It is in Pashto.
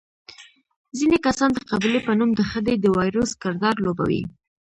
ځینې کسان د قبیلې په نوم د خدۍ د وایروس کردار لوبوي.